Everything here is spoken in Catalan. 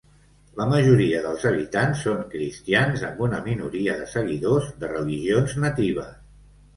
La majoria dels habitants són cristians amb una minoria de seguidors de religions natives.